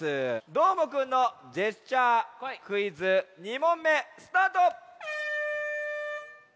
どーもくんのジェスチャークイズ２もんめスタート！